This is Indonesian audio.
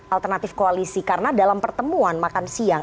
alternatif koalisi karena dalam pertemuan makan siang